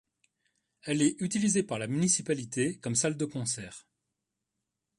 Elle est utilisée par la municipalité comme salle de concert.